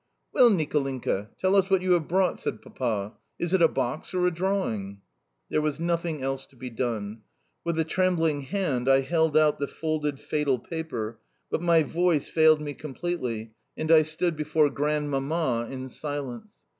"Well, Nicolinka, tell us what you have brought?" said Papa. "Is it a box or a drawing?" There was nothing else to be done. With a trembling hand held out the folded, fatal paper, but my voiced failed me completely and I stood before Grandmamma in silence.